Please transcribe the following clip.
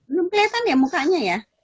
belum kelihatan ya mukanya ya